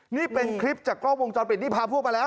นี่เป็นคลิปจากกล้องวงจรปิดนี่พาพวกมาแล้ว